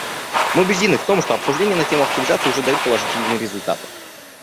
Мы убеждены в том, что обсуждения на тему активизации уже дают положительные результаты.